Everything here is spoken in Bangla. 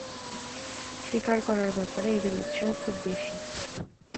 শিকার করার ব্যাপারে এদের উৎসাহ খুব বেশি।